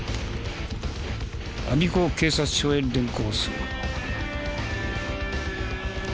我孫子警察署へ連行する。